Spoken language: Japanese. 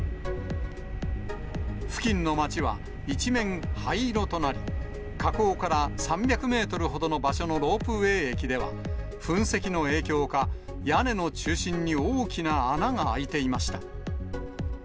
付近の町は一面灰色となり、火口から３００メートルほどの場所のロープウエー駅では、噴石の影響か、屋根の中心に大きな穴が開いていました。